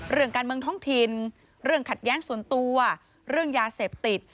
เรื่องการเมืองท้องถิ่นเรื่องขัดแย้งส่วนตัวเรื่องยาเสพติด